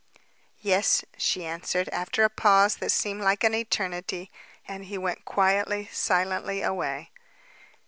"Yes," she answered, after a pause that seemed like an eternity, and he went quietly, silently away.